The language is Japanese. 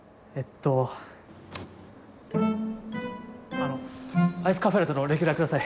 あのアイスカフェラテのレギュラー下さい！